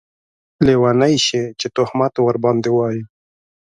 لیونۍ شې چې تهمت ورباندې واېې